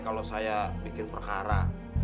kalau saya bikin perkara